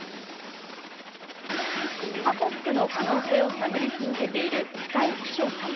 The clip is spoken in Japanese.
カポックの可能性を探り続けている深井喜翔さん。